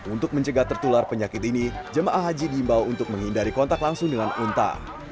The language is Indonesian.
untuk mencegah tertular penyakit ini jemaah haji diimbau untuk menghindari kontak langsung dengan unta